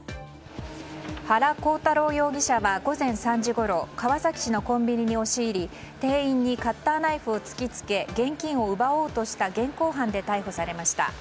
原光太郎容疑者は午前３時ごろ川崎市のコンビニに押し入り店員にカッターナイフを突きつけ現金を奪おうとした現行犯で逮捕されました。